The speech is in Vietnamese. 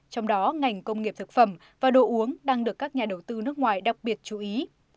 trong đó ngành công nghiệp thực phẩm và đồ uống đang được các nhà đầu tư nước ngoài đặc biệt chú ý